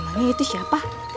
memangnya itu siapa